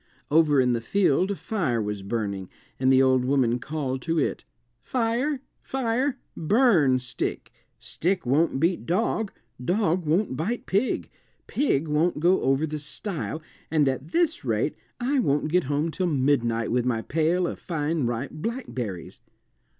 Over in the field a fire was burning, and the old woman called to it, "Fire, fire, burn stick; stick won't beat dog, dog won't bite pig, pig won't go over the stile, and at this rate I won't get home till midnight with my pail of fine ripe blackberries."